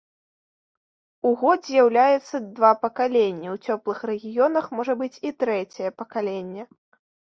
У год з'яўляецца два пакаленні, у цёплых рэгіёнах можа быць і трэцяе пакаленне.